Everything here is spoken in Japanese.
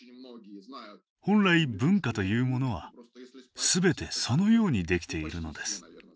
本来文化というものはすべてそのようにできているのです。